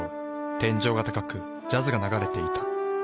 天井が高くジャズが流れていた。